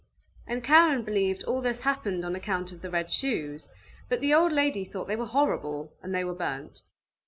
And Karen believed all this happened on account of the red shoes, but the old lady thought they were horrible, and they were burnt.